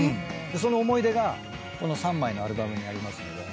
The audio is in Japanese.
その思い出がこの３枚のアルバムにありますので。